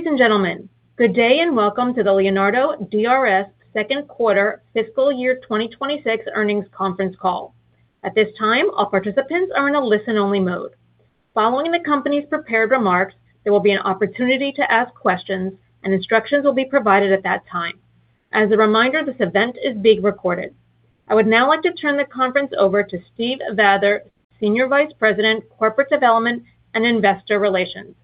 Ladies and gentlemen, good day and welcome to the Leonardo DRS Second Quarter Fiscal Year 2026 Earnings conference call. At this time, all participants are in a listen-only mode. Following the company's prepared remarks, there will be an opportunity to ask questions, and instructions will be provided at that time. As a reminder, this event is being recorded. I would now like to turn the conference over to Steve Vather, Senior Vice President, Corporate Development and Investor Relations.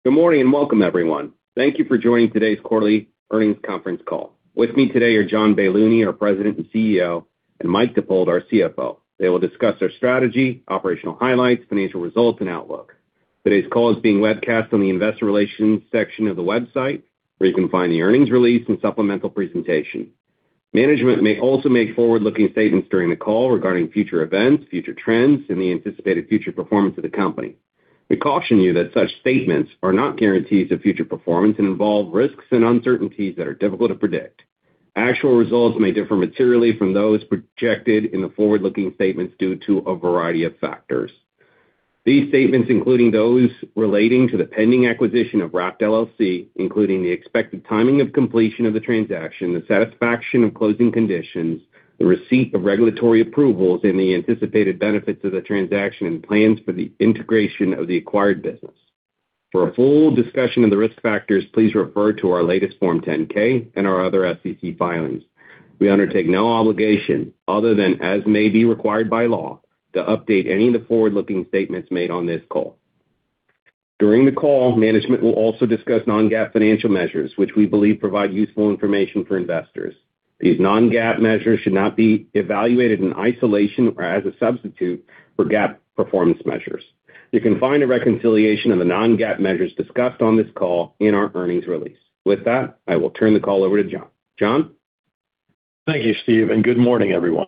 Please go ahead. Good morning and welcome, everyone. Thank you for joining today's quarterly earnings conference call. With me today are John Baylouny, our President and CEO, and Mike Dippold, our CFO. They will discuss our strategy, operational highlights, financial results, and outlook. Today's call is being webcast on the investor relations section of the website, where you can find the earnings release and supplemental presentation. Management may also make forward-looking statements during the call regarding future events, future trends, and the anticipated future performance of the company. We caution you that such statements are not guarantees of future performance and involve risks and uncertainties that are difficult to predict. Actual results may differ materially from those projected in the forward-looking statements due to a variety of factors. These statements, including those relating to the pending acquisition of Raft LLC, including the expected timing of completion of the transaction, the satisfaction of closing conditions, the receipt of regulatory approvals, and the anticipated benefits of the transaction and plans for the integration of the acquired business. For a full discussion of the risk factors, please refer to our latest Form 10-K and our other SEC filings. We undertake no obligation, other than as may be required by law, to update any of the forward-looking statements made on this call. During the call, management will also discuss non-GAAP financial measures, which we believe provide useful information for investors. These non-GAAP measures should not be evaluated in isolation or as a substitute for GAAP performance measures. You can find a reconciliation of the non-GAAP measures discussed on this call in our earnings release. With that, I will turn the call over to John. John? Thank you, Steve, and good morning, everyone.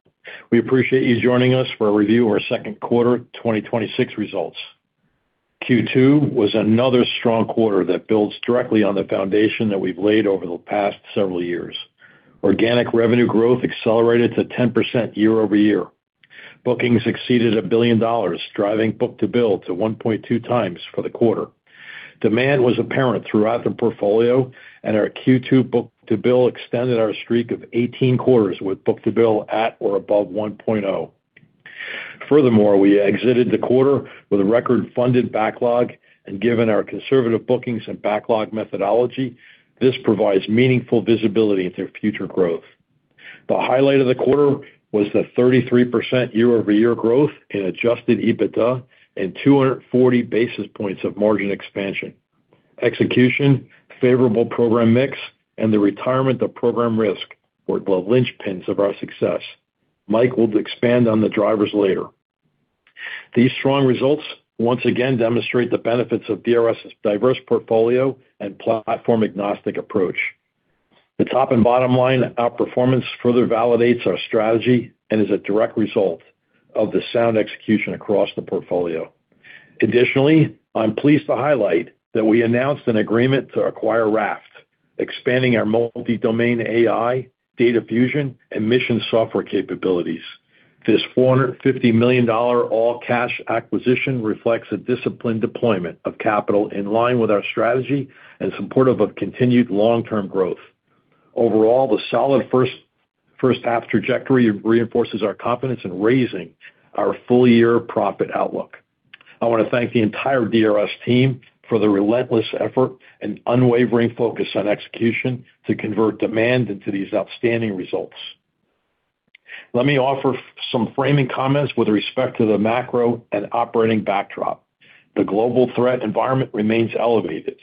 We appreciate you joining us for a review of our Q2 2026 results. Q2 was another strong quarter that builds directly on the foundation that we've laid over the past several years. Organic revenue growth accelerated to 10% year-over-year. Bookings exceeded $1 billion, driving book-to-bill to 1.2 times for the quarter. Demand was apparent throughout the portfolio. Our Q2 book-to-bill extended our streak of 18 quarters with book-to-bill at or above 1.0. Furthermore, we exited the quarter with a record-funded backlog. Given our conservative bookings and backlog methodology, this provides meaningful visibility into future growth. The highlight of the quarter was the 33% year-over-year growth in adjusted EBITDA and 240 basis points of margin expansion. Execution, favorable program mix, and the retirement of program risk were the linchpins of our success. Mike will expand on the drivers later. These strong results once again demonstrate the benefits of DRS' diverse portfolio and platform-agnostic approach. The top and bottom line outperformance further validates our strategy and is a direct result of the sound execution across the portfolio. Additionally, I'm pleased to highlight that we announced an agreement to acquire Raft, expanding our multi-domain AI, data fusion, and mission software capabilities. This $450 million all-cash acquisition reflects a disciplined deployment of capital in line with our strategy and supportive of continued long-term growth. Overall, the solid first half trajectory reinforces our confidence in raising our full-year profit outlook. I want to thank the entire DRS team for the relentless effort and unwavering focus on execution to convert demand into these outstanding results. Let me offer some framing comments with respect to the macro and operating backdrop. The global threat environment remains elevated.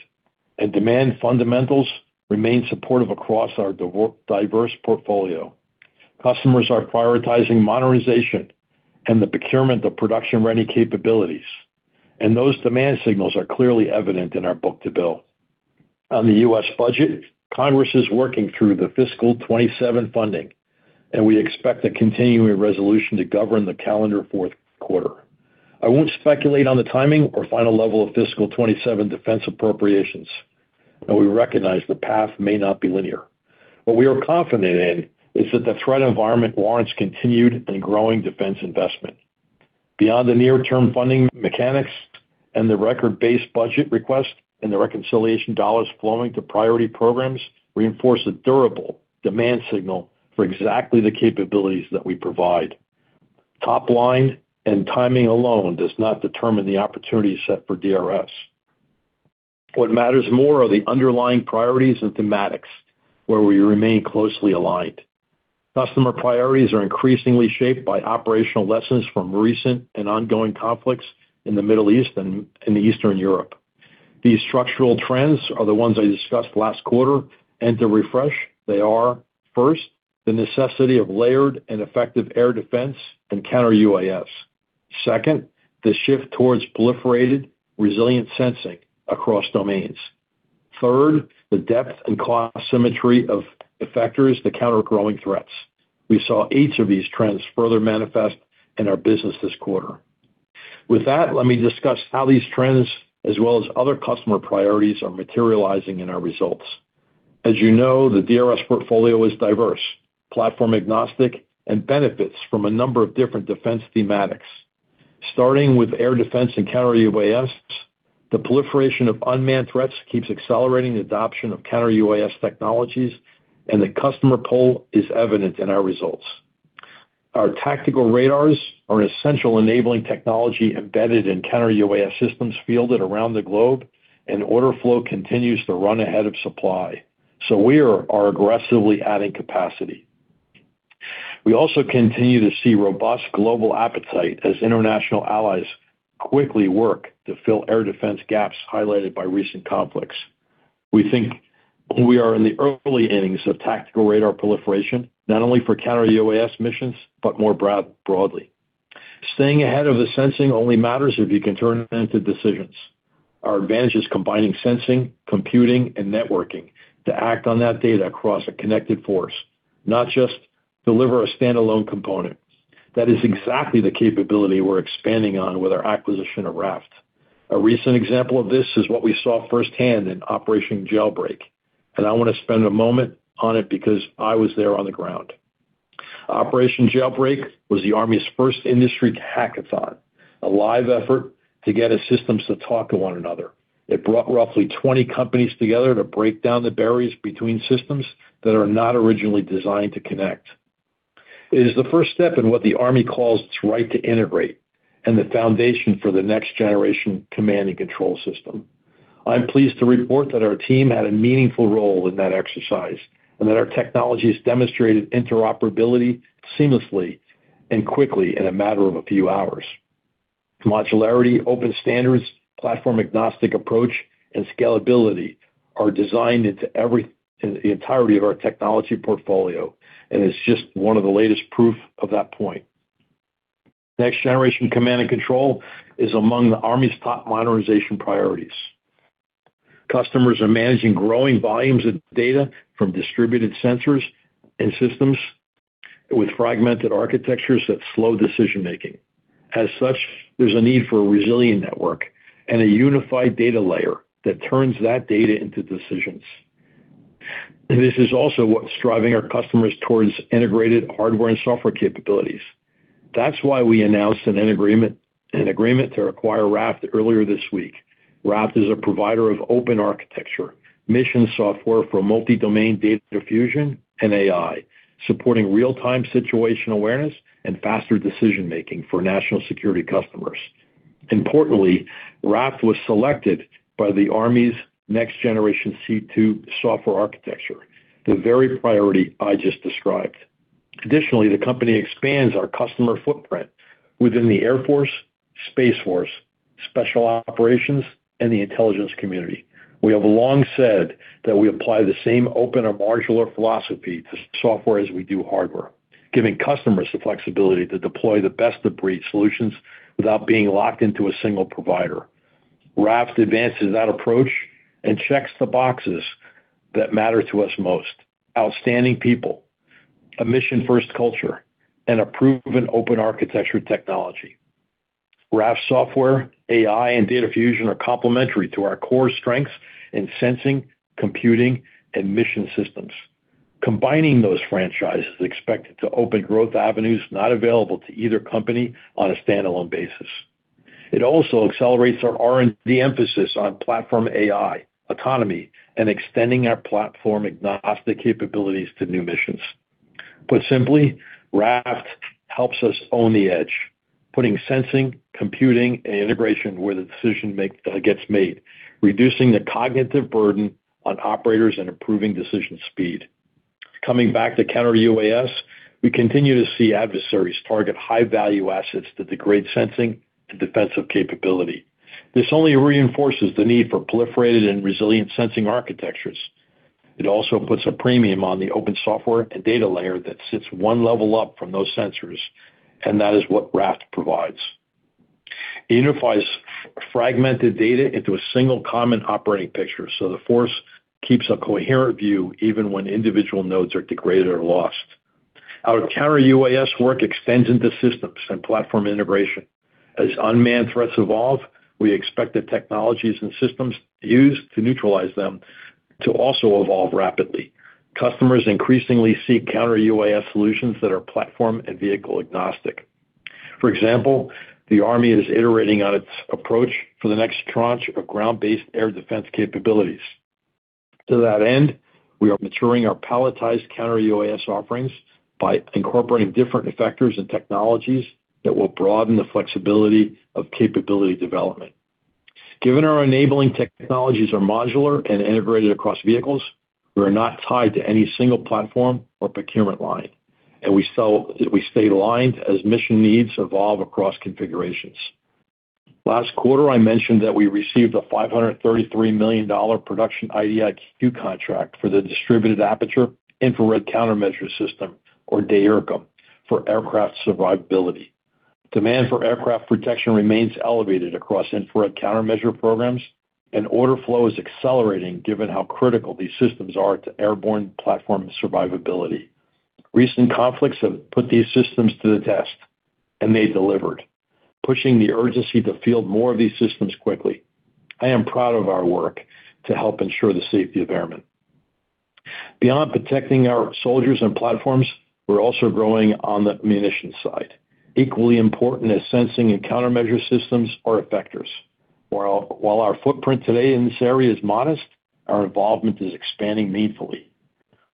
Demand fundamentals remain supportive across our diverse portfolio. Customers are prioritizing modernization and the procurement of production-ready capabilities. Those demand signals are clearly evident in our book-to-bill. On the U.S. budget, Congress is working through the Fiscal 2027 funding. We expect a continuing resolution to govern the calendar fourth quarter. I won't speculate on the timing or final level of Fiscal 2027 defense appropriations. We recognize the path may not be linear. What we are confident in is that the threat environment warrants continued and growing defense investment. Beyond the near-term funding mechanics, the record base budget request and the reconciliation dollars flowing to priority programs reinforce a durable demand signal for exactly the capabilities that we provide. Top line and timing alone does not determine the opportunity set for DRS. What matters more are the underlying priorities and thematics where we remain closely aligned. Customer priorities are increasingly shaped by operational lessons from recent and ongoing conflicts in the Middle East and in the Eastern Europe. These structural trends are the ones I discussed last quarter. To refresh, they are, first, the necessity of layered and effective air defense and counter-UAS. Second, the shift towards proliferated resilient sensing across domains. Third, the depth and class symmetry of effectors to counter growing threats. We saw each of these trends further manifest in our business this quarter. With that, let me discuss how these trends, as well as other customer priorities, are materializing in our results. As you know, the DRS portfolio is diverse, platform-agnostic, and benefits from a number of different defense thematics. Starting with air defense and counter-UAS, the proliferation of unmanned threats keeps accelerating the adoption of counter-UAS technologies, and the customer pull is evident in our results. Our tactical radars are an essential enabling technology embedded in counter-UAS systems fielded around the globe, and order flow continues to run ahead of supply. We are aggressively adding capacity. We also continue to see robust global appetite as international allies quickly work to fill air defense gaps highlighted by recent conflicts. We think we are in the early innings of tactical radar proliferation, not only for counter-UAS missions, but more broadly. Staying ahead of the sensing only matters if you can turn it into decisions. Our advantage is combining sensing, computing, and networking to act on that data across a connected force, not just deliver a standalone component. That is exactly the capability we're expanding on with our acquisition of Raft. A recent example of this is what we saw firsthand in Operation Jailbreak, and I want to spend a moment on it because I was there on the ground. Operation Jailbreak was the Army's first industry hackathon, a live effort to get its systems to talk to one another. It brought roughly 20 companies together to break down the barriers between systems that are not originally designed to connect. It is the first step in what the Army calls its right to integrate and the foundation for the next generation command and control system. I'm pleased to report that our team had a meaningful role in that exercise and that our technologies demonstrated interoperability seamlessly and quickly in a matter of a few hours. Modularity, open standards, platform-agnostic approach, and scalability are designed into the entirety of our technology portfolio and is just one of the latest proof of that point. Next generation command and control is among the Army's top modernization priorities. Customers are managing growing volumes of data from distributed sensors and systems with fragmented architectures that slow decision making. As such, there's a need for a resilient network and a unified data layer that turns that data into decisions. This is also what's driving our customers towards integrated hardware and software capabilities. That's why we announced an agreement to acquire Raft earlier this week. Raft is a provider of open architecture, mission software for multi-domain data fusion and AI, supporting real-time situational awareness and faster decision making for national security customers. Importantly, Raft was selected by the Army's next generation C2 software architecture, the very priority I just described. Additionally, the company expands our customer footprint within the Air Force, Space Force, special operations, and the intelligence community. We have long said that we apply the same open and modular philosophy to software as we do hardware, giving customers the flexibility to deploy the best-of-breed solutions without being locked into a single provider. Raft advances that approach and checks the boxes that matter to us most. Outstanding people, a mission-first culture, and a proven open architecture technology. Raft software, AI, and data fusion are complementary to our core strengths in sensing, computing, and mission systems. Combining those franchises is expected to open growth avenues not available to either company on a standalone basis. It also accelerates our R&D emphasis on platform AI, autonomy, and extending our platform-agnostic capabilities to new missions. Put simply, Raft helps us own the edge, putting sensing, computing, and integration where the decision gets made, reducing the cognitive burden on operators and improving decision speed. Coming back to counter-UAS, we continue to see adversaries target high-value assets that degrade sensing and defensive capability. This only reinforces the need for proliferated and resilient sensing architectures. It also puts a premium on the open software and data layer that sits one level up from those sensors. That is what Raft provides. It unifies fragmented data into a single common operating picture, so the force keeps a coherent view even when individual nodes are degraded or lost. Our counter-UAS work extends into systems and platform integration. As unmanned threats evolve, we expect the technologies and systems used to neutralize them to also evolve rapidly. Customers increasingly seek counter-UAS solutions that are platform and vehicle agnostic. For example, the U.S. Army is iterating on its approach for the next tranche of ground-based air defense capabilities. To that end, we are maturing our palletized counter-UAS offerings by incorporating different effectors and technologies that will broaden the flexibility of capability development. Given our enabling technologies are modular and integrated across vehicles, we are not tied to any single platform or procurement line. We stay aligned as mission needs evolve across configurations. Last quarter, I mentioned that we received a $533 million production IDIQ contract for the Distributed Aperture Infrared Countermeasure system, or DAIRCM, for aircraft survivability. Demand for aircraft protection remains elevated across infrared countermeasure programs. Order flow is accelerating given how critical these systems are to airborne platform survivability. Recent conflicts have put these systems to the test. They've delivered, pushing the urgency to field more of these systems quickly. I am proud of our work to help ensure the safety of airmen. Beyond protecting our soldiers and platforms, we're also growing on the munition side. Equally important as sensing and countermeasure systems are effectors. While our footprint today in this area is modest, our involvement is expanding meaningfully.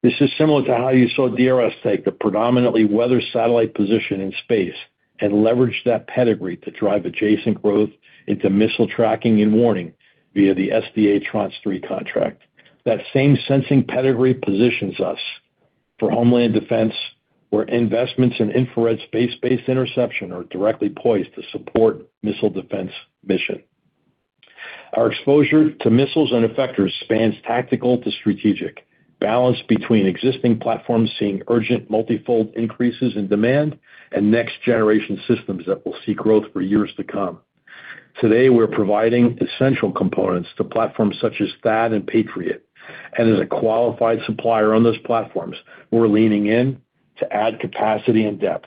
This is similar to how you saw DRS take the predominantly weather satellite position in space and leverage that pedigree to drive adjacent growth into missile tracking and warning via the Tranche 3 contract. That same sensing pedigree positions us for homeland defense, where investments in infrared space-based interception are directly poised to support missile defense mission. Our exposure to missiles and effectors spans tactical to strategic, balanced between existing platforms seeing urgent multifold increases in demand and next-generation systems that will see growth for years to come. Today, we're providing essential components to platforms such as THAAD and Patriot. As a qualified supplier on those platforms, we're leaning in to add capacity and depth.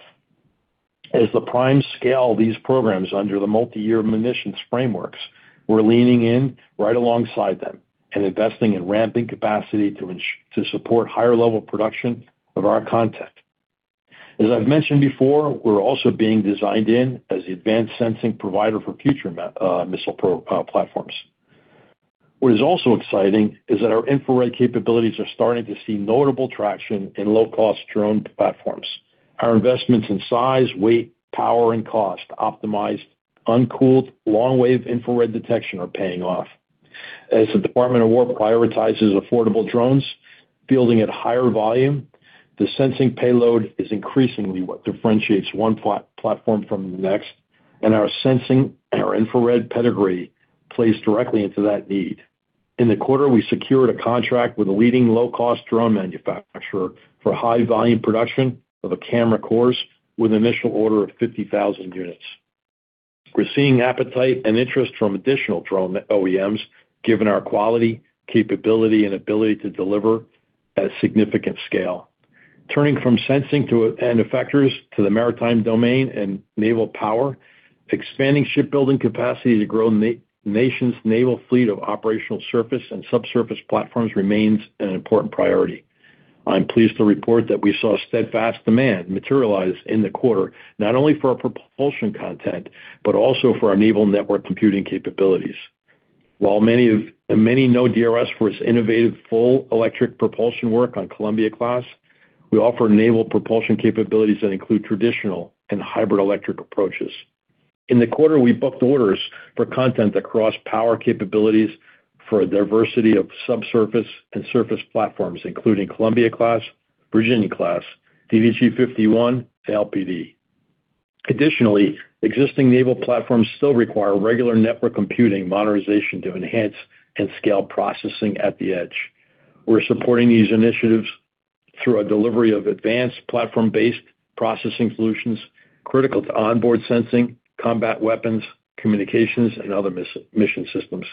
As the primes scale these programs under the multi-year munitions frameworks, we're leaning in right alongside them and investing in ramping capacity to support higher level production of our content. As I've mentioned before, we're also being designed in as the advanced sensing provider for future missile platforms. What is also exciting is that our infrared capabilities are starting to see notable traction in low-cost drone platforms. Our investments in size, weight, power, and cost optimized, uncooled, long-wave infrared detection are paying off. As the Department of Defense prioritizes affordable drones, fielding at higher volume, the sensing payload is increasingly what differentiates one platform from the next. Our sensing and our infrared pedigree plays directly into that need. In the quarter, we secured a contract with a leading low-cost drone manufacturer for high volume production of a camera core with an initial order of 50,000 units. We're seeing appetite and interest from additional drone OEMs, given our quality, capability, and ability to deliver at significant scale. Turning from sensing and effectors to the maritime domain and naval power, expanding shipbuilding capacity to grow the nation's naval fleet of operational surface and subsurface platforms remains an important priority. I'm pleased to report that we saw steadfast demand materialize in the quarter, not only for our propulsion content, but also for our naval network computing capabilities. While many know DRS for its innovative full electric propulsion work on Columbia-class, we offer naval propulsion capabilities that include traditional and hybrid electric approaches. In the quarter, we booked orders for content across power capabilities for a diversity of subsurface and surface platforms, including Columbia-class, Virginia-class, DDG 51, LPD. Additionally, existing naval platforms still require regular network computing modernization to enhance and scale processing at the edge. We're supporting these initiatives through a delivery of advanced platform-based processing solutions critical to onboard sensing, combat weapons, communications, and other mission systems.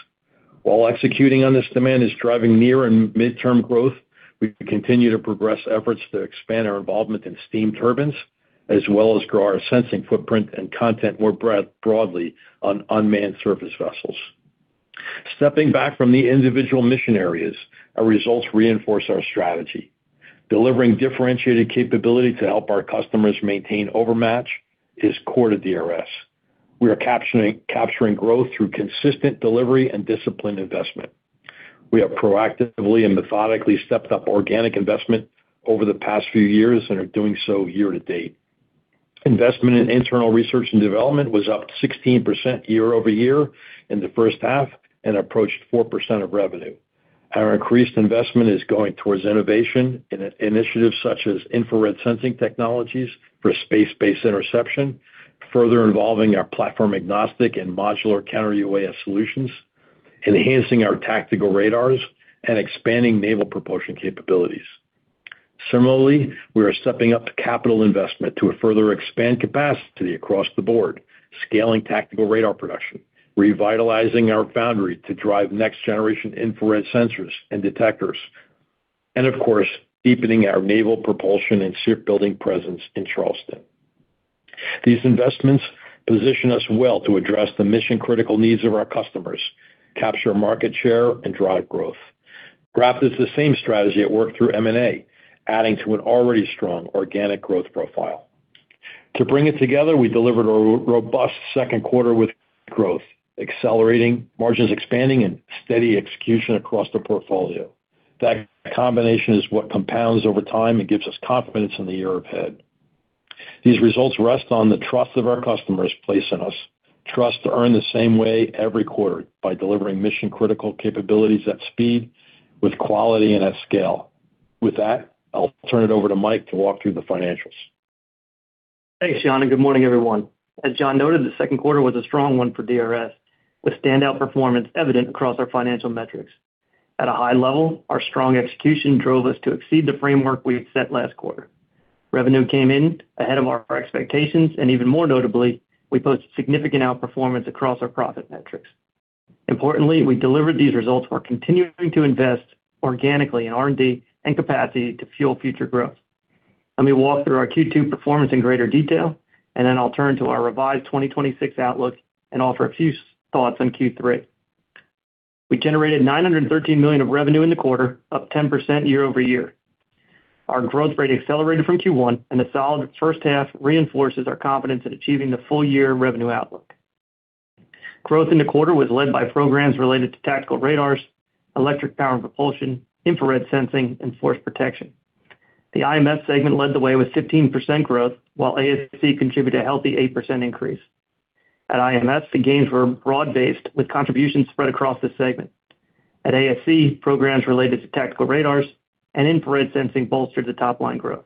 While executing on this demand is driving near and midterm growth, we continue to progress efforts to expand our involvement in steam turbines, as well as grow our sensing footprint and content more broadly on unmanned surface vessels. Stepping back from the individual mission areas, our results reinforce our strategy. Delivering differentiated capability to help our customers maintain overmatch is core to DRS. We are capturing growth through consistent delivery and disciplined investment. We have proactively and methodically stepped up organic investment over the past few years and are doing so year to date. Investment in internal research and development was up 16% year-over-year in the first half and approached 4% of revenue. Our increased investment is going towards innovation in initiatives such as infrared sensing technologies for space-based interception, further involving our platform agnostic and modular counter-UAS solutions, enhancing our tactical radars, and expanding naval propulsion capabilities. Similarly, we are stepping up the capital investment to further expand capacity across the board, scaling tactical radar production, revitalizing our foundry to drive next generation infrared sensors and detectors, and of course, deepening our naval propulsion and shipbuilding presence in Charleston. These investments position us well to address the mission-critical needs of our customers, capture market share, and drive growth. Raft is the same strategy at work through M&A, adding to an already strong organic growth profile. To bring it together, we delivered a robust second quarter with growth, accelerating margins expanding and steady execution across the portfolio. That combination is what compounds over time and gives us confidence in the year ahead. These results rest on the trust of our customers place in us, trust to earn the same way every quarter by delivering mission-critical capabilities at speed, with quality, and at scale. With that, I'll turn it over to Mike to walk through the financials. Thanks, John, and good morning, everyone. As John noted, the second quarter was a strong one for DRS, with standout performance evident across our financial metrics. At a high level, our strong execution drove us to exceed the framework we had set last quarter. Revenue came in ahead of our expectations, and even more notably, we posted significant outperformance across our profit metrics. Importantly, we delivered these results while continuing to invest organically in R&D and capacity to fuel future growth. Let me walk through our Q2 performance in greater detail, and then I'll turn to our revised 2026 outlook and offer a few thoughts on Q3. We generated $913 million of revenue in the quarter, up 10% year-over-year. Our growth rate accelerated from Q1, and the solid first half reinforces our confidence in achieving the full-year revenue outlook. Growth in the quarter was led by programs related to tactical radars, electric power and propulsion, infrared sensing, and force protection. The IMS segment led the way with 15% growth, while ASC contributed a healthy 8% increase. At IMS, the gains were broad-based, with contributions spread across the segment. At ASC, programs related to tactical radars and infrared sensing bolstered the top-line growth.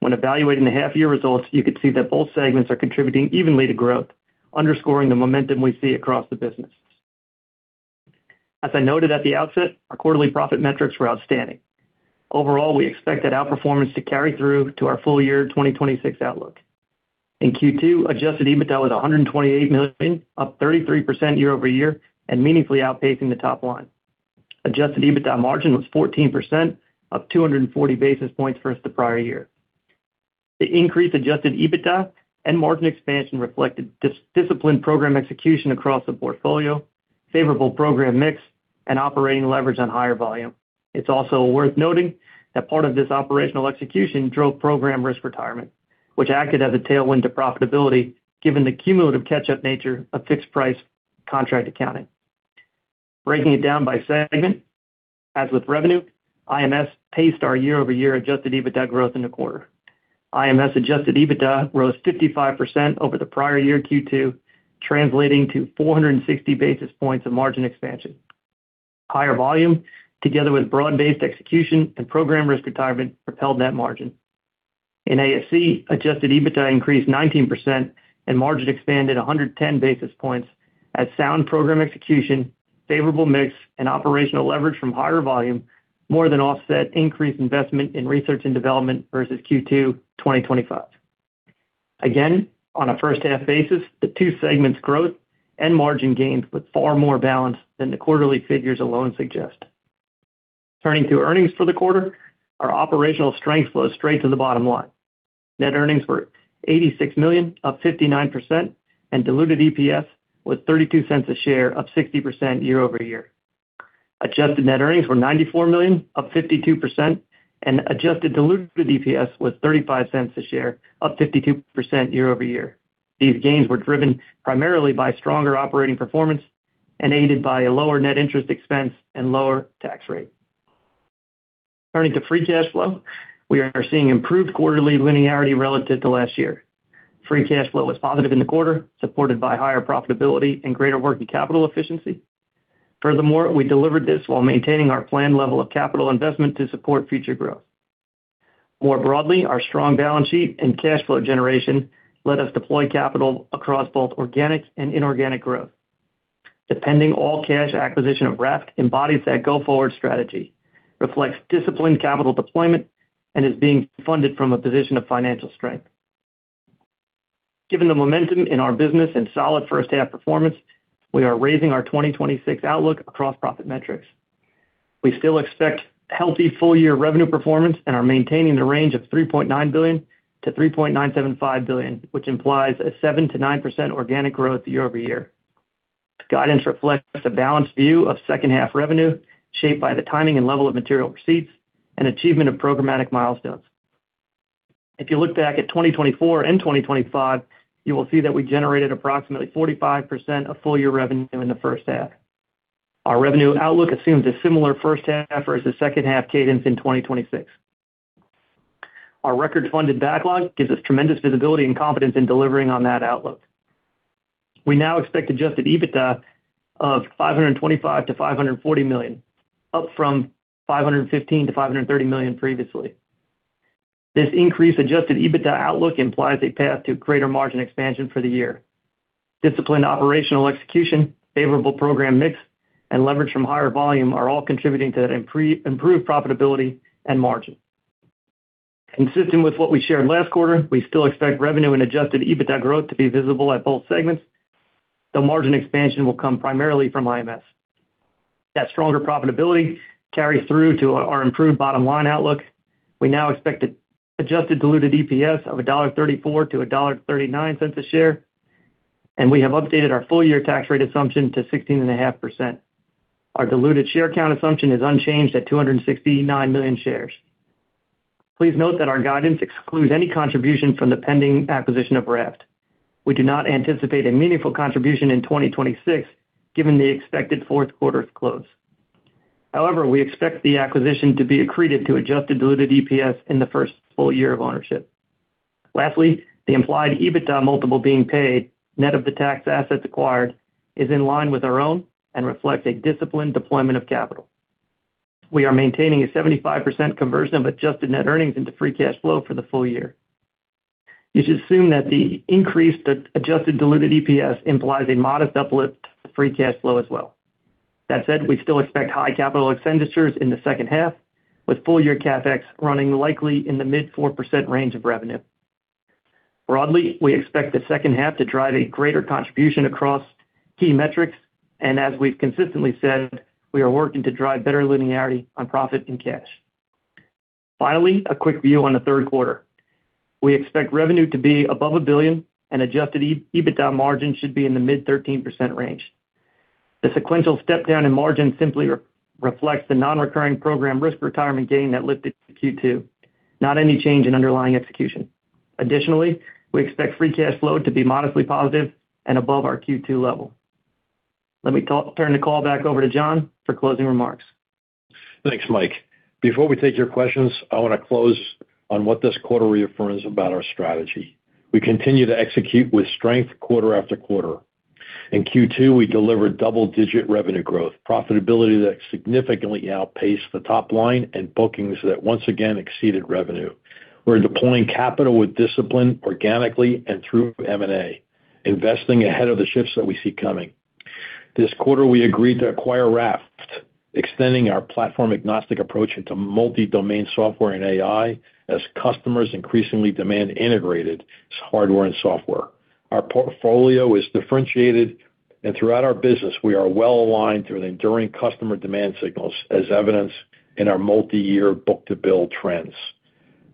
When evaluating the half-year results, you can see that both segments are contributing evenly to growth, underscoring the momentum we see across the business. As I noted at the outset, our quarterly profit metrics were outstanding. Overall, we expect that outperformance to carry through to our full-year 2026 outlook. In Q2, adjusted EBITDA was $128 million, up 33% year-over-year and meaningfully outpacing the top line. Adjusted EBITDA margin was 14%, up 240 basis points versus the prior year. The increased adjusted EBITDA and margin expansion reflected disciplined program execution across the portfolio, favorable program mix, and operating leverage on higher volume. It's also worth noting that part of this operational execution drove program risk retirement, which acted as a tailwind to profitability given the cumulative catch-up nature of fixed-price contract accounting. Breaking it down by segment, as with revenue, IMS paced our year-over-year adjusted EBITDA growth in the quarter. IMS adjusted EBITDA rose 55% over the prior year Q2, translating to 460 basis points of margin expansion. Higher volume, together with broad-based execution and program risk retirement, propelled net margin. In ASC, adjusted EBITDA increased 19% and margin expanded 110 basis points as sound program execution, favorable mix, and operational leverage from higher volume more than offset increased investment in research and development versus Q2 2025. Again, on a first-half basis, the two segments' growth and margin gains look far more balanced than the quarterly figures alone suggest. Turning to earnings for the quarter, our operational strength flows straight to the bottom line. Net earnings were $86 million, up 59%, and diluted EPS was $0.32 a share, up 60% year-over-year. Adjusted net earnings were $94 million, up 52%, and adjusted diluted EPS was $0.35 a share, up 52% year-over-year. These gains were driven primarily by stronger operating performance and aided by a lower net interest expense and lower tax rate. Turning to free cash flow, we are seeing improved quarterly linearity relative to last year. Free cash flow was positive in the quarter, supported by higher profitability and greater working capital efficiency. Furthermore, we delivered this while maintaining our planned level of capital investment to support future growth. More broadly, our strong balance sheet and cash flow generation let us deploy capital across both organic and inorganic growth. The pending all-cash acquisition of Raft embodies that go-forward strategy, reflects disciplined capital deployment, and is being funded from a position of financial strength. Given the momentum in our business and solid first-half performance, we are raising our 2026 outlook across profit metrics. We still expect healthy full-year revenue performance and are maintaining the range of $3.9 billion-$3.975 billion, which implies a 7%-9% organic growth year-over-year. Guidance reflects a balanced view of second-half revenue, shaped by the timing and level of material receipts and achievement of programmatic milestones. If you look back at 2024 and 2025, you will see that we generated approximately 45% of full-year revenue in the first half. Our revenue outlook assumes a similar first half effort as the second half cadence in 2026. Our record-funded backlog gives us tremendous visibility and confidence in delivering on that outlook. We now expect adjusted EBITDA of $525 million to $540 million, up from $515 million to $530 million previously. This increased adjusted EBITDA outlook implies a path to greater margin expansion for the year. Disciplined operational execution, favorable program mix, and leverage from higher volume are all contributing to improved profitability and margin. Consistent with what we shared last quarter, we still expect revenue and adjusted EBITDA growth to be visible at both segments, though margin expansion will come primarily from IMS. That stronger profitability carries through to our improved bottom-line outlook. We now expect adjusted diluted EPS of $1.34-$1.39 a share, and we have updated our full-year tax rate assumption to 16.5%. Our diluted share count assumption is unchanged at 269 million shares. Please note that our guidance excludes any contribution from the pending acquisition of Raft. We do not anticipate a meaningful contribution in 2026 given the expected fourth quarter close. However, we expect the acquisition to be accretive to adjusted diluted EPS in the first full-year of ownership. Lastly, the implied EBITDA multiple being paid, net of the tax assets acquired, is in line with our own and reflect a disciplined deployment of capital. We are maintaining a 75% conversion of adjusted net earnings into free cash flow for the full-year. You should assume that the increased adjusted diluted EPS implies a modest uplift to free cash flow as well. That said, we still expect high capital expenditures in the second half, with full-year CapEx running likely in the mid-4% range of revenue. Broadly, we expect the second half to drive a greater contribution across key metrics. As we've consistently said, we are working to drive better linearity on profit and cash. Finally, a quick view on the third quarter. We expect revenue to be above $1 billion, and adjusted EBITDA margin should be in the mid-13% range. The sequential step down in margin simply reflects the non-recurring program risk retirement gain that lifted Q2, not any change in underlying execution. Additionally, we expect free cash flow to be modestly positive and above our Q2 level. Let me turn the call back over to John for closing remarks. Thanks, Mike. Before we take your questions, I want to close on what this quarter reaffirms about our strategy. We continue to execute with strength quarter after quarter. In Q2, we delivered double-digit revenue growth, profitability that significantly outpaced the top line, and bookings that once again exceeded revenue. We are deploying capital with discipline organically and through M&A, investing ahead of the shifts that we see coming. This quarter, we agreed to acquire Raft, extending our platform agnostic approach into multi-domain software and AI, as customers increasingly demand integrated hardware and software. Our portfolio is differentiated, and throughout our business, we are well-aligned through the enduring customer demand signals, as evidenced in our multi-year book-to-bill trends.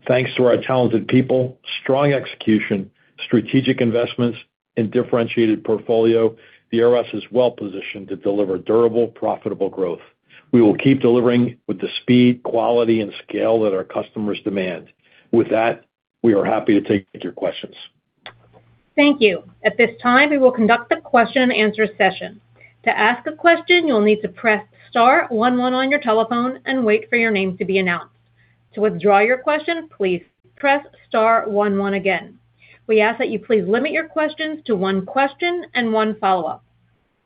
Thanks to our talented people, strong execution, strategic investments, and differentiated portfolio, DRS is well-positioned to deliver durable, profitable growth. We will keep delivering with the speed, quality, and scale that our customers demand. With that, we are happy to take your questions. Thank you. At this time, we will conduct the question-and-answer session. To ask a question, you will need to press star one one on your telephone and wait for your name to be announced. To withdraw your question, please press star one one again. We ask that you please limit your questions to one question and one follow-up.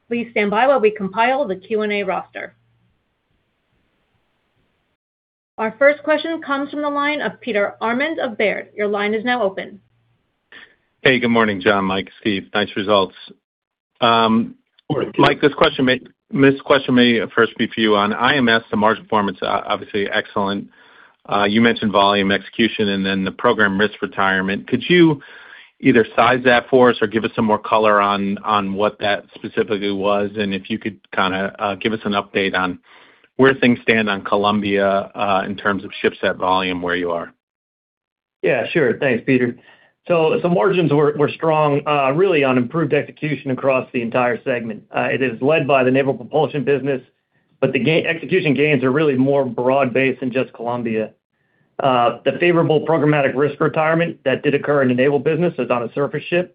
Please stand by while we compile the Q&A roster. Our first question comes from the line of Peter Arment of Baird. Your line is now open. Hey, good morning, John, Mike, Steve. Nice results. Morning, Peter. Mike, this question may first be for you on IMS. The margin performance, obviously excellent. You mentioned volume execution and then the program risk retirement. Could you either size that for us or give us some more color on what that specifically was, and if you could kind of give us an update on where things stand on Columbia in terms of ships at volume where you are? Yeah, sure. Thanks, Peter. The margins were strong really on improved execution across the entire segment. It is led by the naval propulsion business, but the execution gains are really more broad-based than just Columbia. The favorable programmatic risk retirement that did occur in the naval business is on a surface ship.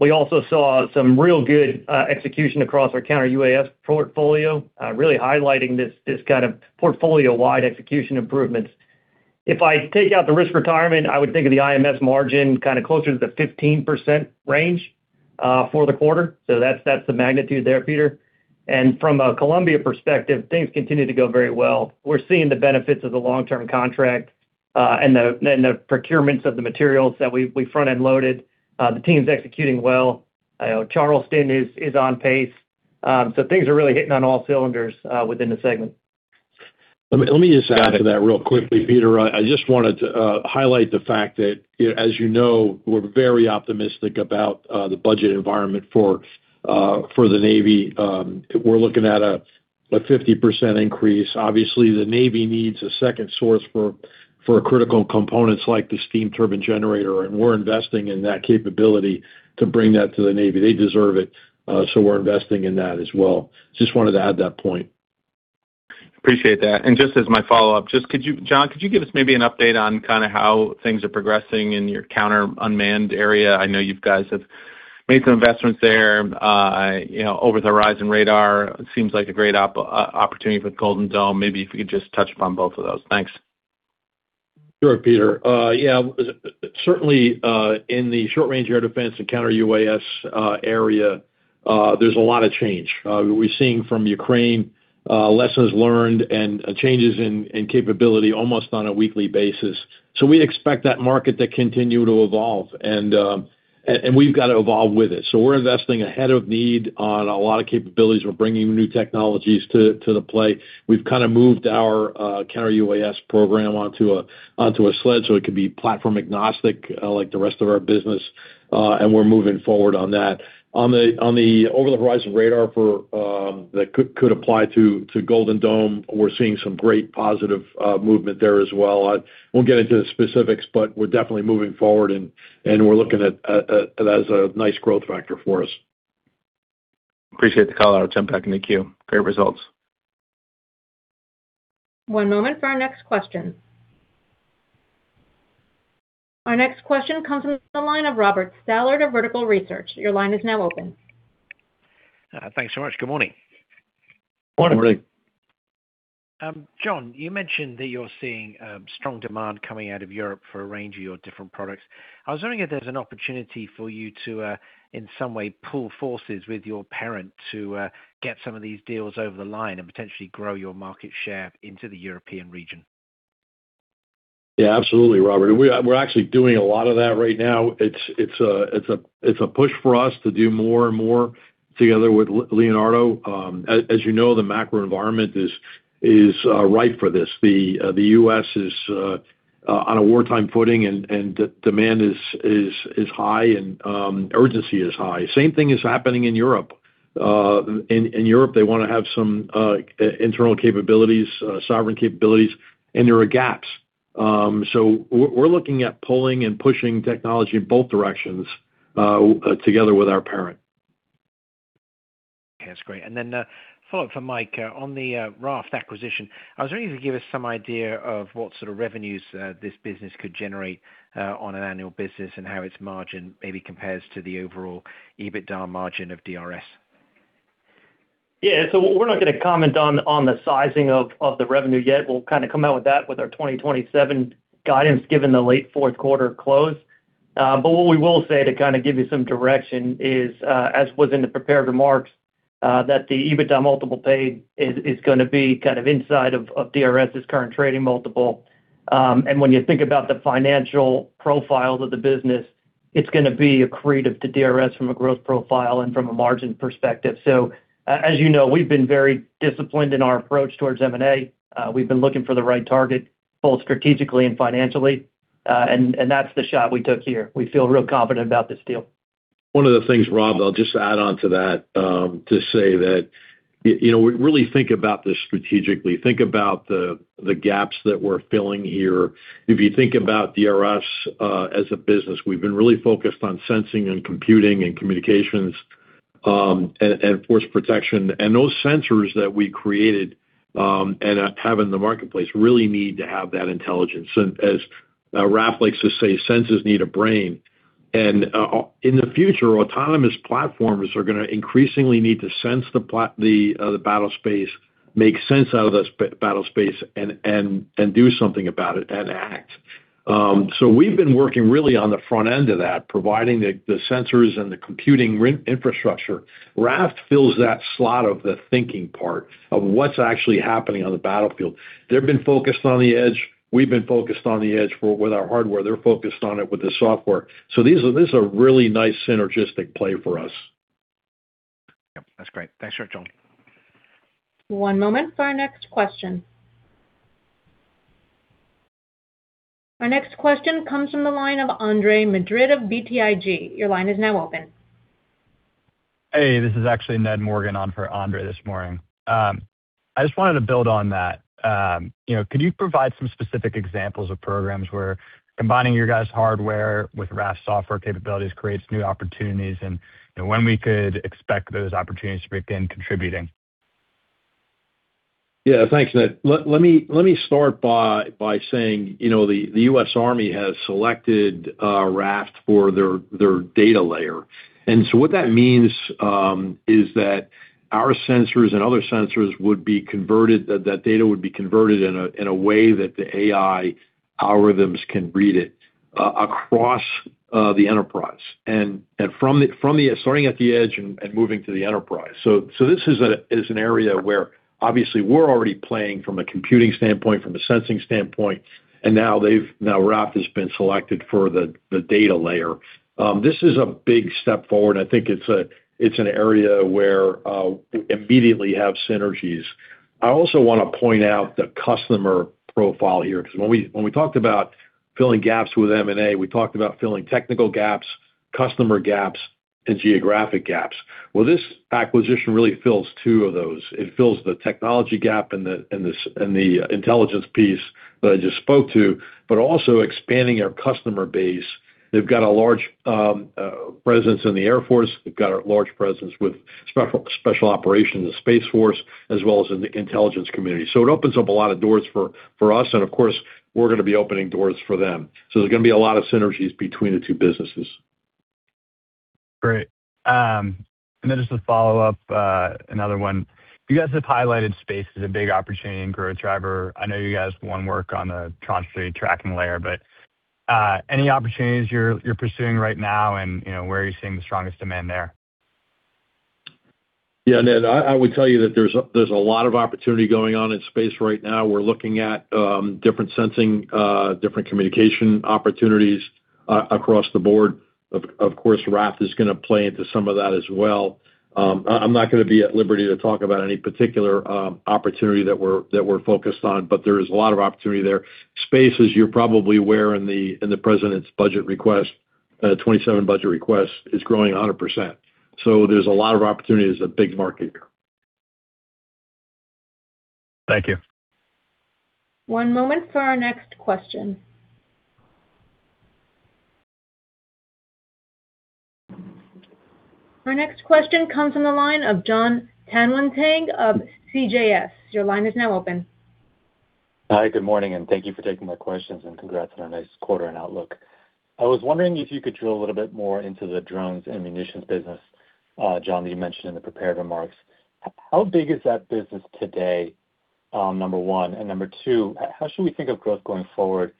We also saw some real good execution across our counter-UAS portfolio, really highlighting this kind of portfolio-wide execution improvements. If I take out the risk retirement, I would think of the IMS margin kind of closer to the 15% range for the quarter. That's the magnitude there, Peter. From a Columbia perspective, things continue to go very well. We're seeing the benefits of the long-term contract and the procurements of the materials that we front-end loaded. The team's executing well. Charleston is on pace. Things are really hitting on all cylinders within the segment. Let me just add to that real quickly, Peter. I just wanted to highlight the fact that, as you know, we're very optimistic about the budget environment for the Navy. We're looking at a 50% increase. Obviously, the Navy needs a second source for critical components like the steam turbine generator, and we're investing in that capability to bring that to the Navy. They deserve it, we're investing in that as well. Just wanted to add that point. Appreciate that. Just as my follow-up, John, could you give us maybe an update on kind of how things are progressing in your counter-UAS area? I know you guys have made some investments there. Over-the-horizon radar seems like a great opportunity for Golden Dome. Maybe if you could just touch upon both of those. Thanks. Sure, Peter. Yeah. Certainly, in the short-range air defense and counter-UAS area, there's a lot of change. We're seeing from Ukraine lessons learned and changes in capability almost on a weekly basis. We expect that market to continue to evolve, and we've got to evolve with it. We're investing ahead of need on a lot of capabilities. We're bringing new technologies to the play. We've kind of moved our counter-UAS program onto a sled so it can be platform agnostic like the rest of our business. We're moving forward on that. On the over-the-horizon radar that could apply to Golden Dome, we're seeing some great positive movement there as well. I won't get into the specifics, but we're definitely moving forward, and we're looking at that as a nice growth factor for us. Appreciate the call out. I'll jump back in the queue. Great results. One moment for our next question. Our next question comes from the line of Robert Stallard of Vertical Research. Your line is now open. Thanks so much. Good morning. Morning. Morning. John, you mentioned that you're seeing strong demand coming out of Europe for a range of your different products. I was wondering if there's an opportunity for you to, in some way, pull forces with your parent to get some of these deals over the line and potentially grow your market share into the European region. Yeah, absolutely, Robert. We're actually doing a lot of that right now. It's a push for us to do more and more together with Leonardo. As you know, the macro environment is ripe for this. The U.S. is on a wartime footing, and demand is high, and urgency is high. Same thing is happening in Europe. They want to have some internal sovereign capabilities, and there are gaps. We're looking at pulling and pushing technology in both directions together with our parent. Okay, that's great. Then a follow-up for Mike. On the Raft acquisition, I was wondering if you could give us some idea of what sort of revenues this business could generate on an annual business, and how its margin maybe compares to the overall EBITDA margin of DRS. Yeah. We're not going to comment on the sizing of the revenue yet. We'll kind of come out with that with our 2027 guidance, given the late fourth quarter close. What we will say to kind of give you some direction is, as was in the prepared remarks, that the EBITDA multiple paid is going to be kind of inside of DRS's current trading multiple. When you think about the financial profile of the business, it's going to be accretive to DRS from a growth profile and from a margin perspective. As you know, we've been very disciplined in our approach towards M&A. We've been looking for the right target, both strategically and financially, and that's the shot we took here. We feel real confident about this deal. One of the things, Rob, I'll just add on to that, to say that we really think about this strategically, think about the gaps that we're filling here. If you think about DRS as a business, we've been really focused on sensing and computing and communications, and force protection. Those sensors that we created, and have in the marketplace, really need to have that intelligence. As Raft likes to say, "Sensors need a brain." In the future, autonomous platforms are going to increasingly need to sense the battle space, make sense out of the battle space, and do something about it, and act. We've been working really on the front end of that, providing the sensors and the computing infrastructure. Raft fills that slot of the thinking part of what's actually happening on the battlefield. They've been focused on the edge. We've been focused on the edge with our hardware. They're focused on it with the software. This is a really nice synergistic play for us. Yep, that's great. Thanks for it, John. One moment for our next question. Our next question comes from the line of Andre Madrid of BTIG. Your line is now open. Hey. This is actually Ned Morgan on for Andre this morning. I just wanted to build on that. Could you provide some specific examples of programs where combining your guys' hardware with Raft software capabilities creates new opportunities, and when we could expect those opportunities to begin contributing? Yeah. Thanks, Ned. Let me start by saying, the U.S. Army has selected Raft for their data layer. What that means, is that our sensors and other sensors, that data would be converted in a way that the AI algorithms can read it, across the enterprise, and starting at the edge and moving to the enterprise. This is an area where obviously we're already playing from a computing standpoint, from a sensing standpoint, and now Raft has been selected for the data layer. This is a big step forward. I think it's an area where we immediately have synergies. I also want to point out the customer profile here, because when we talked about filling gaps with M&A, we talked about filling technical gaps, customer gaps, and geographic gaps. Well, this acquisition really fills two of those. It fills the technology gap and the intelligence piece that I just spoke to, but also expanding our customer base. They've got a large presence in the Air Force. They've got a large presence with special operations in the Space Force, as well as in the intelligence community. It opens up a lot of doors for us, and of course, we're going to be opening doors for them. There's going to be a lot of synergies between the two businesses. Great. Then just to follow up, another one. You guys have highlighted space as a big opportunity and growth driver. I know you guys want to work on the Tranche 3 Tracking Layer, any opportunities you're pursuing right now, and where are you seeing the strongest demand there? Yeah, Ned, I would tell you that there's a lot of opportunity going on in space right now. We're looking at different sensing, different communication opportunities, across the board. Of course, Raft is going to play into some of that as well. I'm not going to be at liberty to talk about any particular opportunity that we're focused on, there is a lot of opportunity there. Space, as you're probably aware, in the president's budget request, 2027 budget request, is growing 100%. There's a lot of opportunities. A big market here. Thank you. One moment for our next question. Our next question comes from the line of Jon Tanwanteng of CJS. Your line is now open. Hi, good morning, and thank you for taking my questions, and congrats on a nice quarter and outlook. I was wondering if you could drill a little bit more into the drones and munitions business. John, that you mentioned in the prepared remarks. How big is that business today, number one, and number two, how should we think of growth going forward?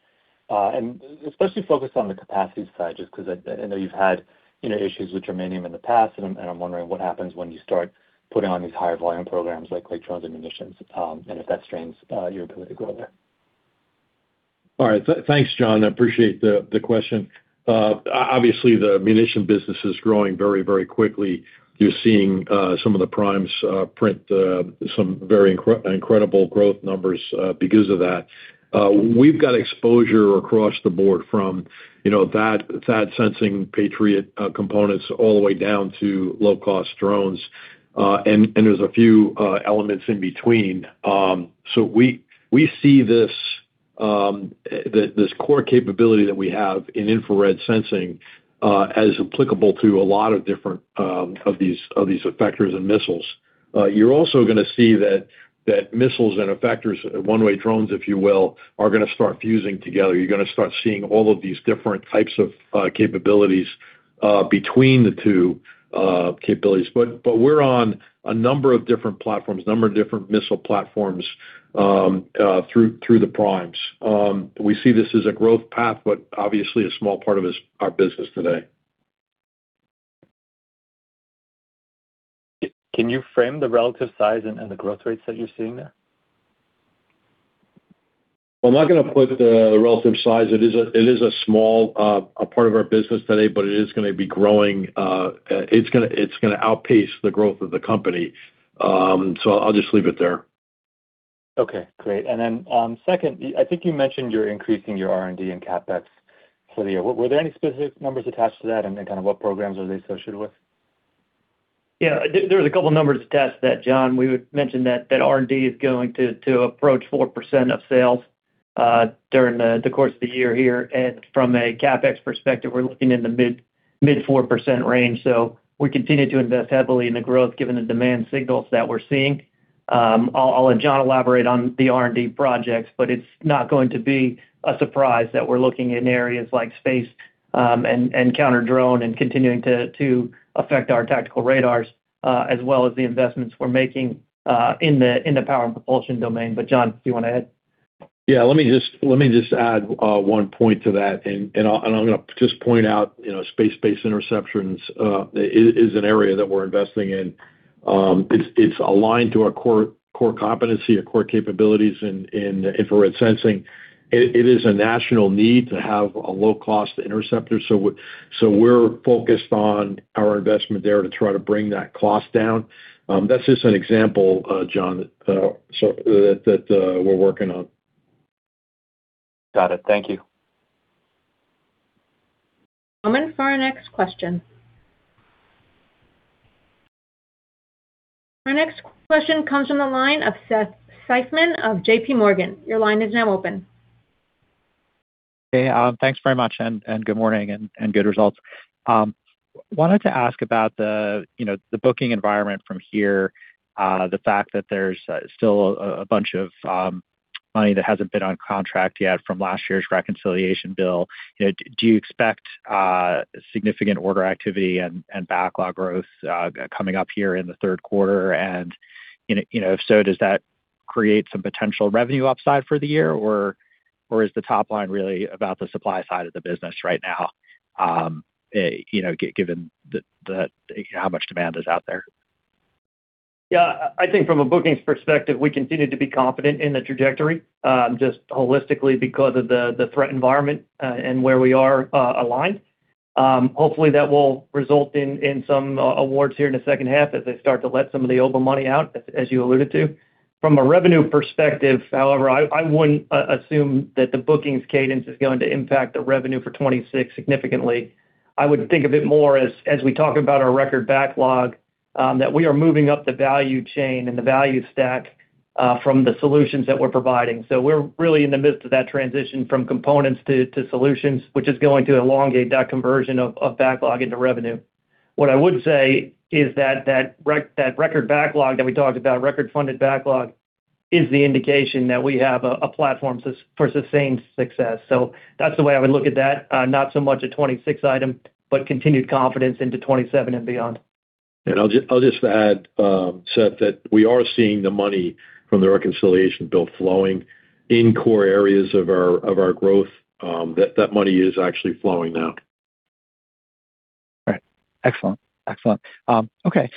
Especially focused on the capacity side, just because I know you've had issues with germanium in the past, and I'm wondering what happens when you start putting on these higher volume programs like drones and munitions, and if that strains your ability to grow there. All right. Thanks, Jon. I appreciate the question. Obviously, the munition business is growing very quickly. You're seeing some of the primes print some very incredible growth numbers because of that. We've got exposure across the board from THAAD sensing Patriot components all the way down to low-cost drones. There's a few elements in between. We see this core capability that we have in infrared sensing as applicable to a lot of different effectors and missiles. You're also going to see that missiles and effectors, one-way drones, if you will, are going to start fusing together. You're going to start seeing all of these different types of capabilities between the two capabilities. We're on a number of different platforms, a number of different missile platforms through the primes. We see this as a growth path, but obviously a small part of our business today. Can you frame the relative size and the growth rates that you're seeing there? I'm not going to put the relative size. It is a small part of our business today, but it is going to be growing. It's going to outpace the growth of the company. I'll just leave it there. Okay, great. Second, I think you mentioned you're increasing your R&D and CapEx for the year. Were there any specific numbers attached to that? Kind of what programs are they associated with? Yeah, there's a couple of numbers attached to that, Jon. We would mention that R&D is going to approach 4% of sales during the course of the year here. From a CapEx perspective, we're looking in the mid 4% range. We continue to invest heavily in the growth given the demand signals that we're seeing. I'll let John elaborate on the R&D projects, but it's not going to be a surprise that we're looking in areas like space and counter-drone and continuing to affect our tactical radars, as well as the investments we're making in the power and propulsion domain. John, do you want to add? Yeah, let me just add one point to that, I'm going to just point out space-based interceptions is an area that we're investing in. It's aligned to our core competency, our core capabilities in infrared sensing. It is a national need to have a low-cost interceptor. We're focused on our investment there to try to bring that cost down. That's just an example, Jon, that we're working on. Got it. Thank you. Waiting for our next question. Our next question comes from the line of Seth Seifman of JPMorgan. Your line is now open. Hey, thanks very much, and good morning, and good results. Wanted to ask about the booking environment from here, the fact that there's still a bunch of money that hasn't been on contract yet from last year's reconciliation bill. Do you expect significant order activity and backlog growth coming up here in the third quarter? If so, does that create some potential revenue upside for the year? Is the top line really about the supply side of the business right now given how much demand is out there? Yeah. I think from a bookings perspective, we continue to be confident in the trajectory, just holistically because of the threat environment, and where we are aligned. Hopefully, that will result in some awards here in the second half as they start to let some of the omni money out, as you alluded to. From a revenue perspective, however, I wouldn't assume that the bookings cadence is going to impact the revenue for 2026 significantly. I would think of it more as we talk about our record backlog, that we are moving up the value chain and the value stack from the solutions that we're providing. We're really in the midst of that transition from components to solutions, which is going to elongate that conversion of backlog into revenue. What I would say is that record backlog that we talked about, record funded backlog, is the indication that we have a platform for sustained success. That's the way I would look at that. Not so much a 2026 item, but continued confidence into 2027 and beyond. I'll just add, Seth, that we are seeing the money from the reconciliation bill flowing in core areas of our growth. That money is actually flowing now. Right. Excellent. Okay.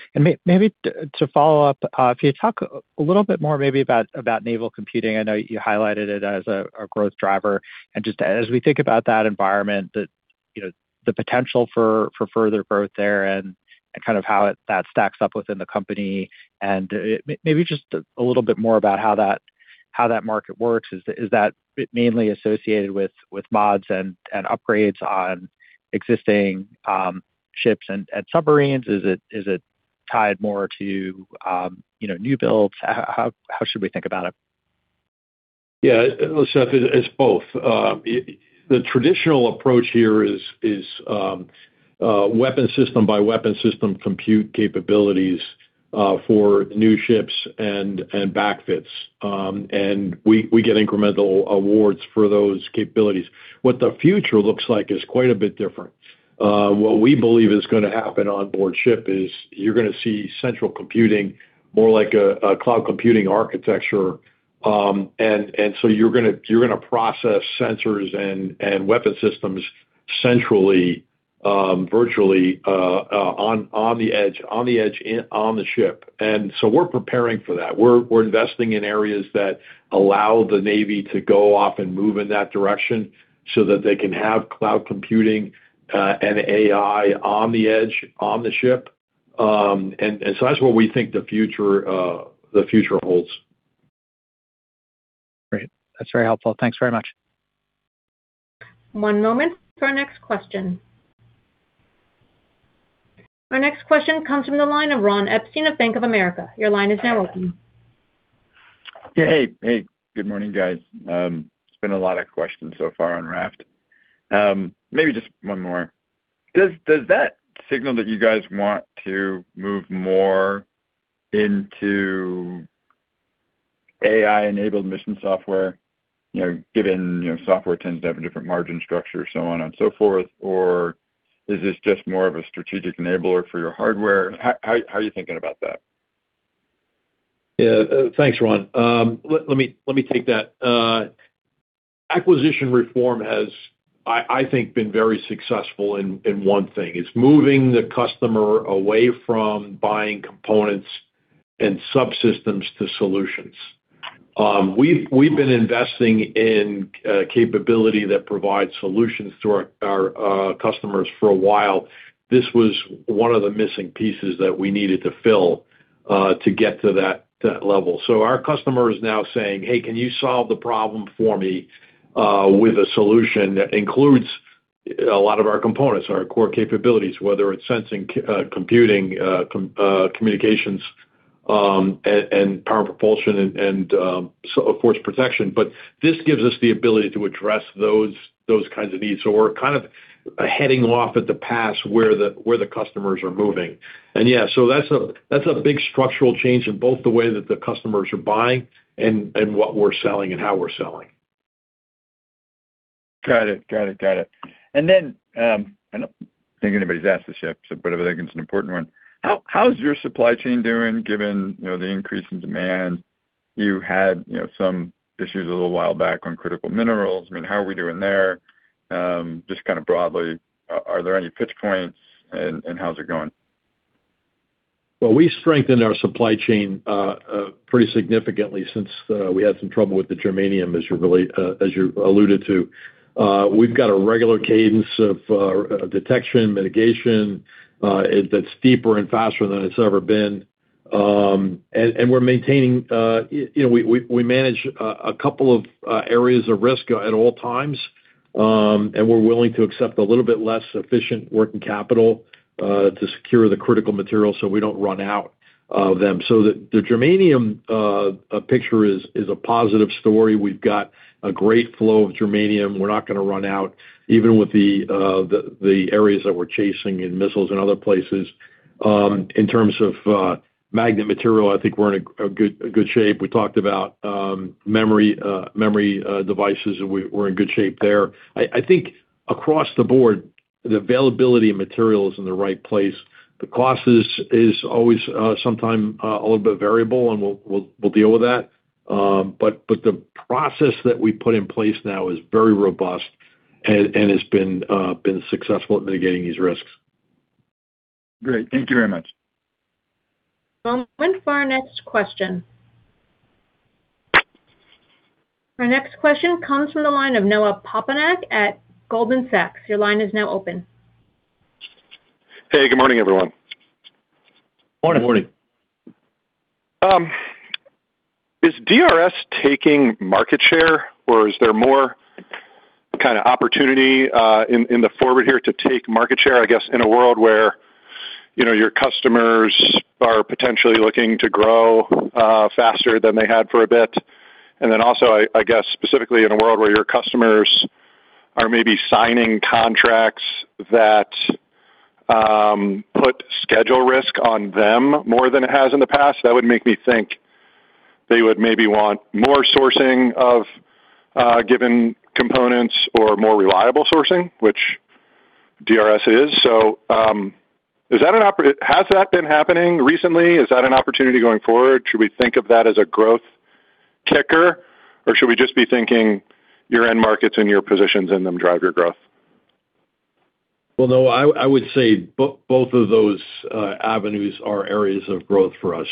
Maybe to follow up, can you talk a little bit more maybe about naval computing? I know you highlighted it as a growth driver. Just as we think about that environment that the potential for further growth there and kind of how that stacks up within the company, maybe just a little bit more about how that market works. Is that mainly associated with mods and upgrades on existing ships and submarines? Is it tied more to new builds? How should we think about it? Yeah. Well, Seth, it's both. The traditional approach here is weapon system by weapon system compute capabilities for new ships and back fits. We get incremental awards for those capabilities. What the future looks like is quite a bit different. What we believe is going to happen on board ship is you're going to see central computing more like a cloud computing architecture. You're going to process sensors and weapon systems centrally virtually on the edge, on the ship. We're preparing for that. We're investing in areas that allow the Navy to go off and move in that direction so that they can have cloud computing and AI on the edge, on the ship. That's what we think the future holds. Great. That's very helpful. Thanks very much. One moment for our next question. Our next question comes from the line of Ron Epstein of Bank of America. Your line is now open. Hey. Good morning, guys. It's been a lot of questions so far on Raft. Maybe just one more. Does that signal that you guys want to move more into AI-enabled mission software, given software tends to have a different margin structure, so on and so forth? Or is this just more of a strategic enabler for your hardware? How are you thinking about that? Yeah. Thanks, Ron. Let me take that. Acquisition reform has, I think, been very successful in one thing. It's moving the customer away from buying components and subsystems to solutions. We've been investing in capability that provides solutions to our customers for a while. This was one of the missing pieces that we needed to fill to get to that level. Our customer is now saying, "Hey, can you solve the problem for me with a solution that includes a lot of our components, our core capabilities?" Whether it's sensing, computing, communications, and power propulsion, and of course, protection. This gives us the ability to address those kinds of needs. We're kind of heading off at the pass where the customers are moving. Yeah, that's a big structural change in both the way that the customers are buying and what we're selling and how we're selling. Got it. I don't think anybody's asked this yet, but I think it's an important one. How's your supply chain doing, given the increase in demand? You had some issues a little while back on critical minerals. How are we doing there? Just kind of broadly, are there any pinch points, and how's it going? We strengthened our supply chain pretty significantly since we had some trouble with the germanium, as you alluded to. We've got a regular cadence of detection, mitigation that's deeper and faster than it's ever been. We manage a couple of areas of risk at all times. We're willing to accept a little bit less efficient working capital to secure the critical material so we don't run out of them. The germanium picture is a positive story. We've got a great flow of germanium. We're not going to run out, even with the areas that we're chasing in missiles and other places. In terms of magnet material, I think we're in good shape. We talked about memory devices, and we're in good shape there. I think across the board, the availability of material is in the right place. The cost is always sometimes a little bit variable, and we'll deal with that. The process that we put in place now is very robust and has been successful at mitigating these risks. Great. Thank you very much. One moment for our next question. Our next question comes from the line of Noah Poponak at Goldman Sachs. Your line is now open. Hey, good morning, everyone. Morning. Morning. Is DRS taking market share, or is there more kind of opportunity in the forward here to take market share, I guess, in a world where your customers are potentially looking to grow faster than they had for a bit? Then also, I guess specifically in a world where your customers are maybe signing contracts that put schedule risk on them more than it has in the past, that would make me think they would maybe want more sourcing of given components or more reliable sourcing, which DRS is. Has that been happening recently? Is that an opportunity going forward? Should we think of that as a growth kicker, or should we just be thinking your end markets and your positions in them drive your growth? Well, Noah, I would say both of those avenues are areas of growth for us.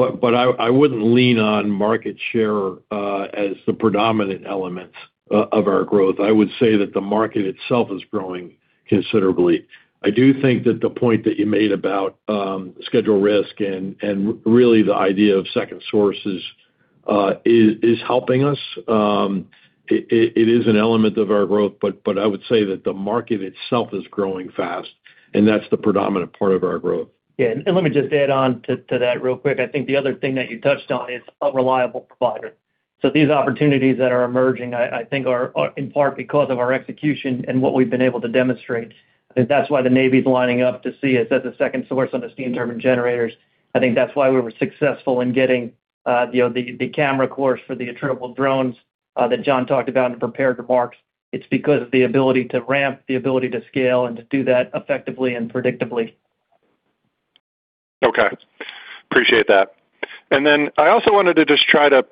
I wouldn't lean on market share as the predominant element of our growth. I would say that the market itself is growing considerably. I do think that the point that you made about schedule risk and really the idea of second sources is helping us. It is an element of our growth, I would say that the market itself is growing fast, and that's the predominant part of our growth. Yeah. Let me just add on to that real quick. I think the other thing that you touched on is a reliable provider. These opportunities that are emerging, I think, are in part because of our execution and what we've been able to demonstrate. I think that's why the Navy's lining up to see us as a second source on the steam turbine generators. I think that's why we were successful in getting the camera core for the attritable drones that John talked about in prepared remarks. It's because of the ability to ramp, the ability to scale, and to do that effectively and predictably. Okay. Appreciate that. I also wanted to just try to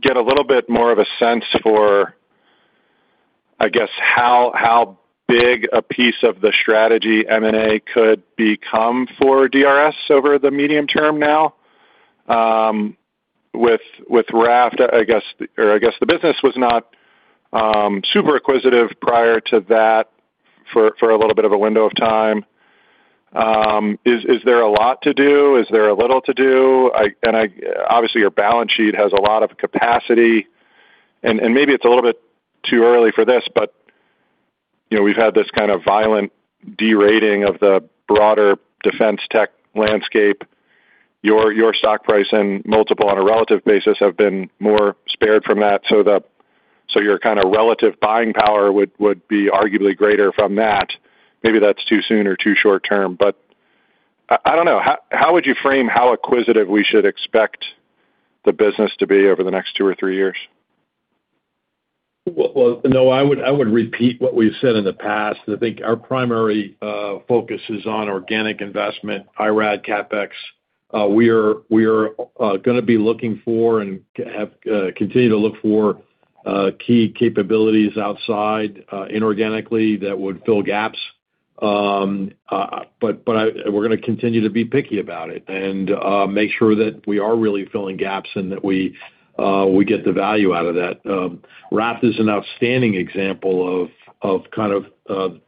get a little bit more of a sense for, I guess, how big a piece of the strategy M&A could become for DRS over the medium term now. With Raft, I guess the business was not super acquisitive prior to that for a little bit of a window of time. Is there a lot to do? Is there a little to do? Obviously, your balance sheet has a lot of capacity, maybe it's a little bit too early for this. We've had this kind of violent de-rating of the broader defense tech landscape. Your stock price and multiple on a relative basis have been more spared from that, your kind of relative buying power would be arguably greater from that. Maybe that's too soon or too short term, I don't know. How would you frame how acquisitive we should expect the business to be over the next two or three years? Well, Noah, I would repeat what we've said in the past. I think our primary focus is on organic investment, IRAD, CapEx. We are going to be looking for and continue to look for key capabilities outside inorganically that would fill gaps. We're going to continue to be picky about it and make sure that we are really filling gaps and that we get the value out of that. Raft is an outstanding example of a kind of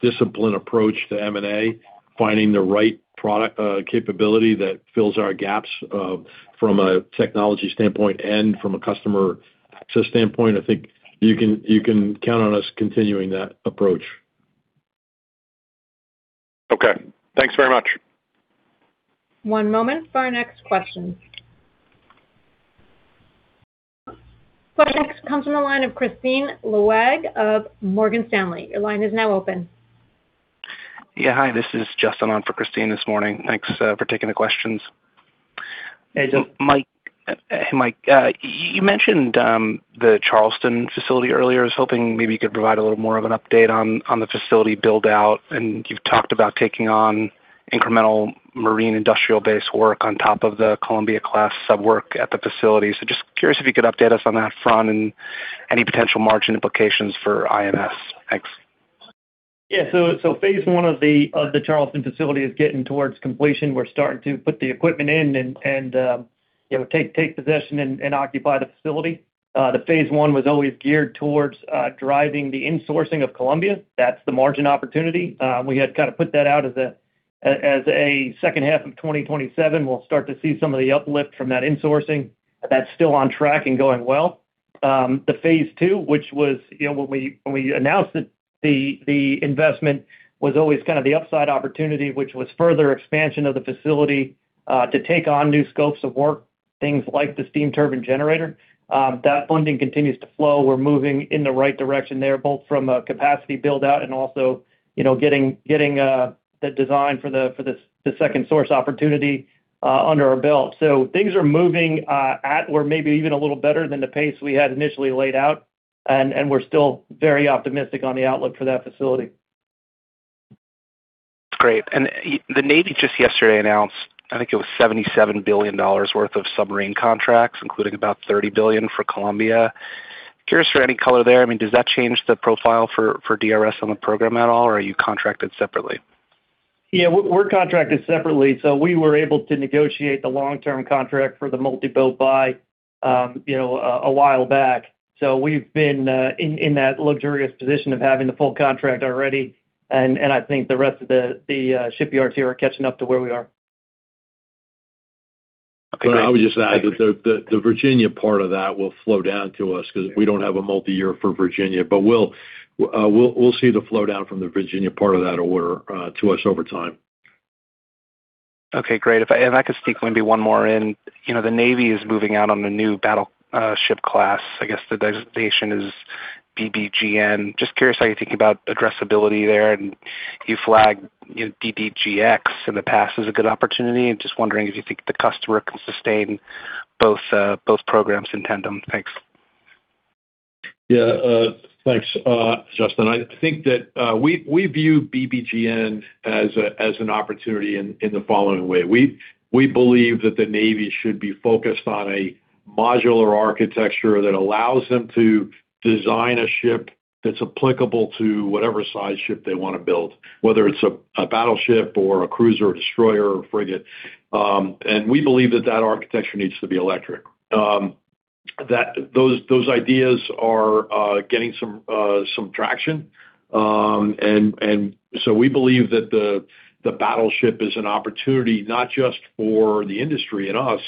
disciplined approach to M&A, finding the right product capability that fills our gaps from a technology standpoint and from a customer access standpoint. I think you can count on us continuing that approach. Okay. Thanks very much. One moment for our next question. The next comes from the line of Kristine Liwag of Morgan Stanley. Your line is now open. Yeah, hi, this is Justin on for Kristine this morning. Thanks for taking the questions. Hey, Justin. Hey, Mike. You mentioned the Charleston facility earlier. I was hoping maybe you could provide a little more of an update on the facility build-out. You've talked about taking on incremental marine industrial base work on top of the Columbia sub work at the facility. Just curious if you could update us on that front and any potential margin implications for IMS. Thanks. Yeah. Phase I of the Charleston facility is getting towards completion. We're starting to put the equipment in and take possession and occupy the facility. The phase I was always geared towards driving the insourcing of Columbia. That's the margin opportunity. We had kind of put that out as a second half of 2027. We'll start to see some of the uplift from that insourcing. That's still on track and going well. The phase II, when we announced it, the investment was always kind of the upside opportunity, which was further expansion of the facility to take on new scopes of work, things like the steam turbine generator. That funding continues to flow. We're moving in the right direction there, both from a capacity build-out and also getting the design for the second source opportunity under our belt. Things are moving at or maybe even a little better than the pace we had initially laid out, and we're still very optimistic on the outlook for that facility. Great. The Navy just yesterday announced, I think it was $77 billion worth of submarine contracts, including about $30 billion for Columbia. Curious for any color there. Does that change the profile for DRS on the program at all, or are you contracted separately? We're contracted separately, we were able to negotiate the long-term contract for the multi-build buy a while back. We've been in that luxurious position of having the full contract already, and I think the rest of the shipyards here are catching up to where we are. Great. I would just add that the Virginia part of that will flow down to us because we don't have a multi-year for Virginia. We'll see the flow down from the Virginia part of that order to us over time. Okay, great. If I could sneak maybe one more in. The Navy is moving out on the new battleship class. I guess the designation is BBGN. Just curious how you are thinking about addressability there. You flagged BBGX in the past as a good opportunity. I am just wondering if you think the customer can sustain both programs in tandem. Thanks. Yeah. Thanks, Justin. I think that we view BBGN as an opportunity in the following way. We believe that the Navy should be focused on a modular architecture that allows them to design a ship that is applicable to whatever size ship they want to build, whether it is a battleship or a cruiser, a destroyer, or a frigate. We believe that that architecture needs to be electric. Those ideas are getting some traction. We believe that the battleship is an opportunity, not just for the industry and us,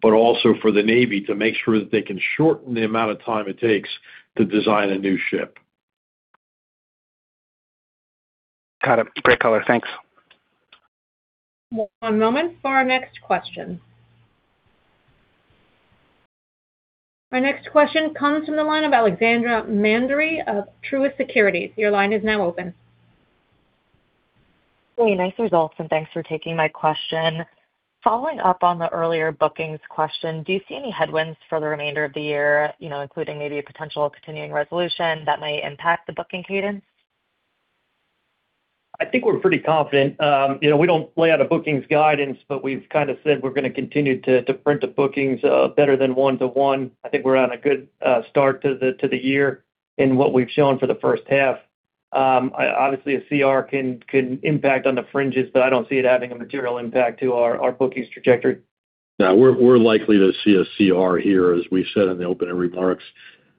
but also for the Navy to make sure that they can shorten the amount of time it takes to design a new ship. Got it. Great color. Thanks. One moment for our next question. Our next question comes from the line of Alexandra Mandery of Truist Securities. Your line is now open. Hey, nice results, thanks for taking my question. Following up on the earlier bookings question, do you see any headwinds for the remainder of the year, including maybe a potential continuing resolution that might impact the booking cadence? I think we're pretty confident. We don't lay out a bookings guidance, we've kind of said we're going to continue to print the bookings better than one to one. I think we're on a good start to the year in what we've shown for the first half. Obviously, a CR can impact on the fringes, I don't see it having a material impact to our bookings trajectory. Yeah, we're likely to see a CR here, as we said in the opening remarks.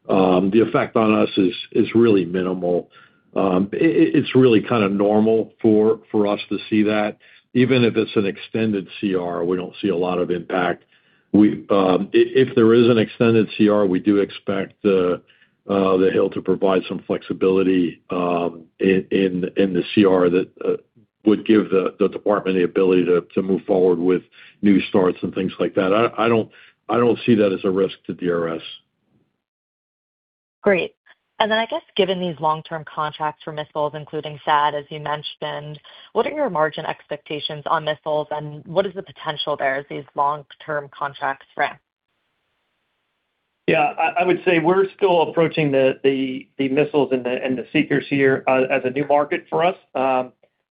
The effect on us is really minimal. It's really kind of normal for us to see that. Even if it's an extended CR, we don't see a lot of impact. If there is an extended CR, we do expect The Hill to provide some flexibility in the CR that would give the department the ability to move forward with new starts and things like that. I don't see that as a risk to DRS. Great. Then I guess given these long-term contracts for missiles, including THAAD, as you mentioned, what are your margin expectations on missiles and what is the potential there as these long-term contracts ramp? I would say we're still approaching the missiles and the seekers here as a new market for us.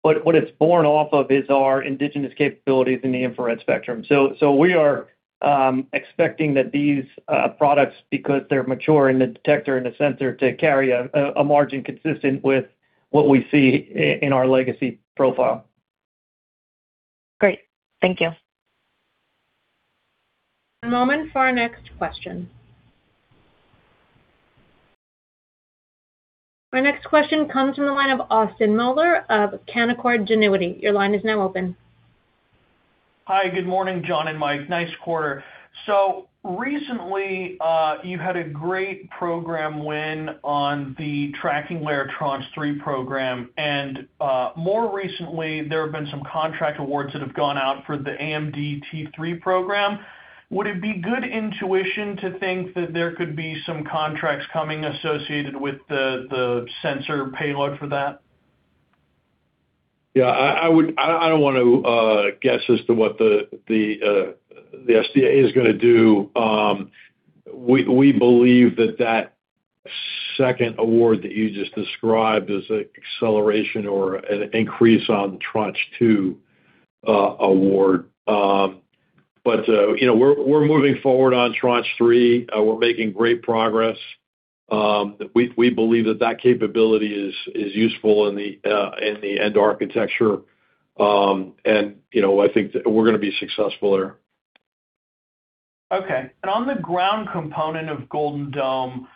What it's born off of is our indigenous capabilities in the infrared spectrum. We are expecting that these products, because they're mature in the detector and the sensor, to carry a margin consistent with what we see in our legacy profile. Great. Thank you. One moment for our next question. Our next question comes from the line of Austin Moeller of Canaccord Genuity. Your line is now open. Hi, good morning, John and Mike. Nice quarter. Recently, you had a great program win on the Tracking Layer Tranche 3 program. More recently, there have been some contract awards that have gone out for the AMDT3 program. Would it be good intuition to think that there could be some contracts coming associated with the sensor payload for that? I don't want to guess as to what the SDA is going to do. We believe that that second award that you just described is an acceleration or an increase on the Tranche 2 award. We're moving forward on Tranche 3. We're making great progress. We believe that that capability is useful in the end architecture. I think that we're going to be successful there. On the ground component of Golden Dome,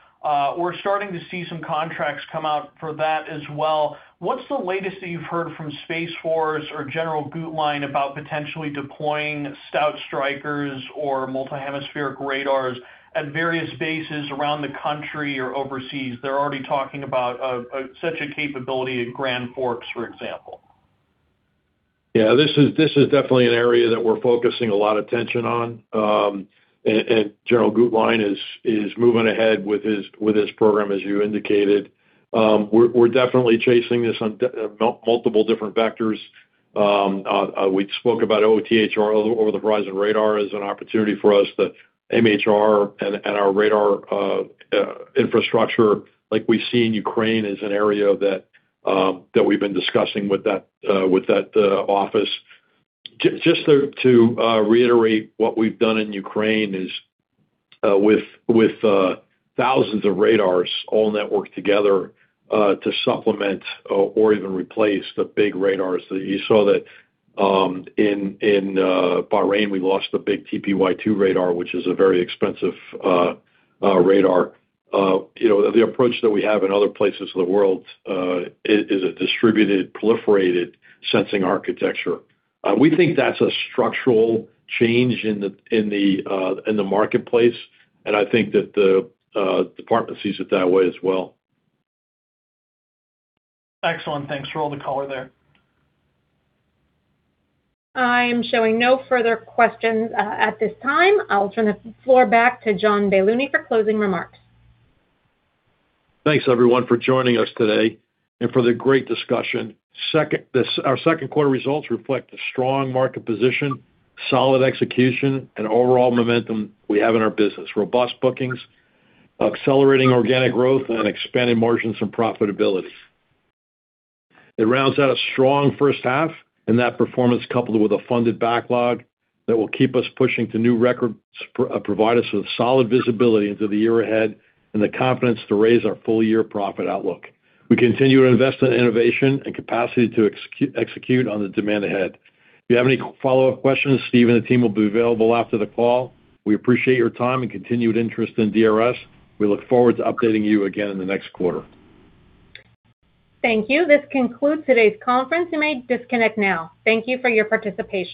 we're starting to see some contracts come out for that as well. What's the latest that you've heard from Space Force or General Guetlein about potentially deploying Stout Strykers or multi-hemispheric radars at various bases around the country or overseas? They're already talking about such a capability in Grand Forks, for example. This is definitely an area that we're focusing a lot of attention on. General Guetlein is moving ahead with his program, as you indicated. We're definitely chasing this on multiple different vectors. We spoke about OTH, over-the-horizon radar as an opportunity for us. The MHR and our radar infrastructure, like we see in Ukraine, is an area that we've been discussing with that office. Just to reiterate, what we've done in Ukraine is with thousands of radars all networked together to supplement or even replace the big radars that you saw that in Bahrain, we lost the big TPY-2 radar, which is a very expensive radar. The approach that we have in other places of the world is a distributed, proliferated sensing architecture. We think that's a structural change in the marketplace. I think that the department sees it that way as well. Excellent. Thanks for all the color there. I am showing no further questions at this time. I'll turn the floor back to John Baylouny for closing remarks. Thanks, everyone, for joining us today and for the great discussion. Our second quarter results reflect a strong market position, solid execution, and overall momentum we have in our business. Robust bookings, accelerating organic growth, and expanding margins and profitability. It rounds out a strong first half. That performance, coupled with a funded backlog that will keep us pushing to new records, provide us with solid visibility into the year ahead, and the confidence to raise our full-year profit outlook. We continue to invest in innovation and capacity to execute on the demand ahead. If you have any follow-up questions, Steve and the team will be available after the call. We appreciate your time and continued interest in DRS. We look forward to updating you again in the next quarter. Thank you. This concludes today's conference. You may disconnect now. Thank you for your participation.